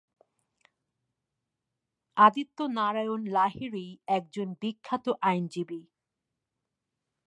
আদিত্য নারায়ণ লাহিড়ী একজন বিখ্যাত আইনজীবী।